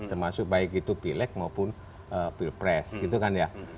termasuk baik itu pileg maupun pilpres gitu kan ya